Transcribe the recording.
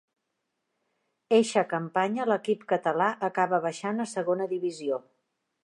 Eixa campanya l'equip català acaba baixant a Segona Divisió.